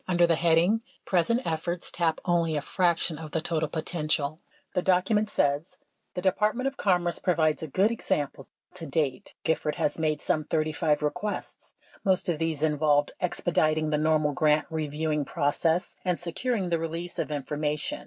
Under the heading "Present efforts tap only a fraction of the total potential," the document says : The Department of Commerce provides a good example. To date Gifford has made some 35 requests. Most of these involved expediting the normal grant reviewing process and securing the release of information.